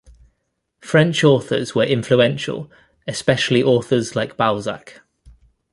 French authors were influential, especially authors like Balzac.